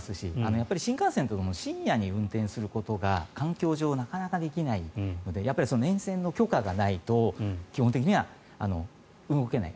やっぱり新幹線というと深夜で運転することが環境上、なかなかできないので沿線の許可がないと基本的には動けない。